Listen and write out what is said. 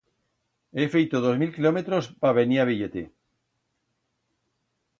He feito dos mil kilometros pa venir a vier-te.